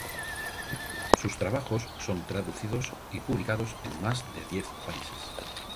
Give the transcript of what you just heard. Sus trabajos son traducidos y publicados en más de diez países.